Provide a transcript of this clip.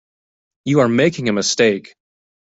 You are making a mistake.